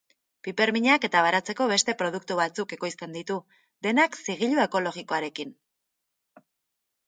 Piperminak eta baratzeko beste produktu batzuk ekoizten ditu, denak zigilu ekologikoarekin.